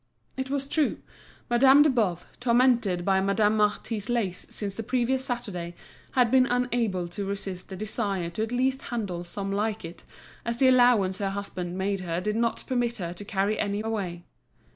It was true, Madame de Boves, tormented by Madame Marty's lace since the previous Saturday, had been unable to resist the desire to at least handle some like it, as the allowance her husband made her did not permit her to carry any away.